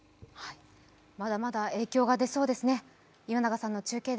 まだまだ影響が出そうですね。